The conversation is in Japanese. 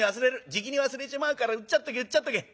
じきに忘れちまうからうっちゃっとけうっちゃっとけ」。